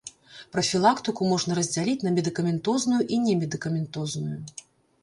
Прафілактыку можна раздзяліць на медыкаментозную і немедыкаментозную.